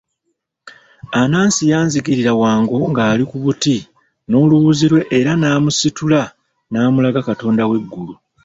Anansi yazingirira Wango ng'ali ku buti n'oluwuzi lwe era n'amusitula n'amulaga katonda w'eggulu.